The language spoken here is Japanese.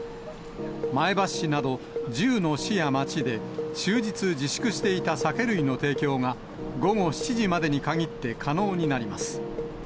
前橋市など１０の市や町で、終日自粛していた酒類の提供が、午後７時までに限って可能になります。